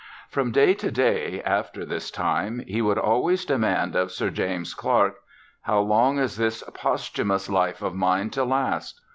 From day to day, after this time, he would always demand of Sir James Clark, "How long is this posthumous life of mine to last?"